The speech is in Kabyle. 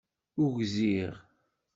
Ugziɣ